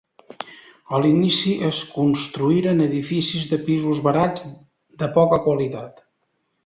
A l'inici es construïen edificis de pisos barats de poca qualitat.